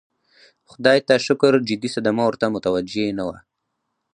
خدای ته شکر جدي صدمه ورته متوجه نه وه.